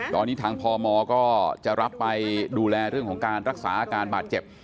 ตอนนี้ทางพมก็จะรับไปดูแลเรื่องของการรักษาอาการบาดเจ็บ